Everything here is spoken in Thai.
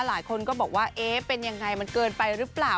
หลายคนก็บอกว่าเอ๊ะเป็นยังไงมันเกินไปหรือเปล่า